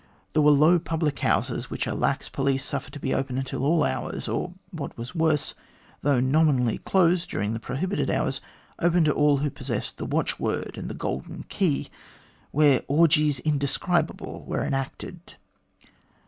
There were low public houses, which a lax police suffered to be open until all hours, or, what was worse, though nominally closed during the prohibited hours, open to all possessed of the watch word and the golden key, where orgies indescribable were enacted.